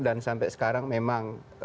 dan sampai sekarang memang